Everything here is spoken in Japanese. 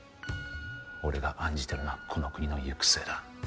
俺が案じてるのはこの国の行く末だ。